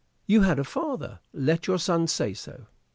You had a father : let your son say so."